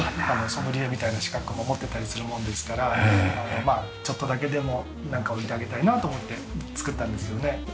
ソムリエみたいな資格も持ってたりするものですからまあちょっとだけでもなんか置いてあげたいなと思って作ったんですよね。